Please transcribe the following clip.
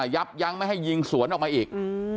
ยับยั้งไม่ให้ยิงสวนออกมาอีก